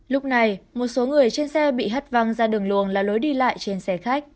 lúc này một số người trên xe bị hất văng ra đường luồng là lối đi lại trên xe khách